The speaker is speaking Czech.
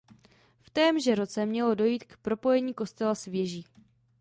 V témže roce mělo dojít k propojení kostela s věží.